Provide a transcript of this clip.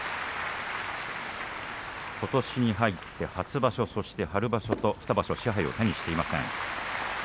ことしに入って初場所そして、春場所賜盃を手にしていません。